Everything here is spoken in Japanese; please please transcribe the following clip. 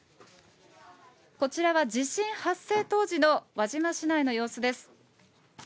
こちらは地震発生当時の輪島市内の様子です。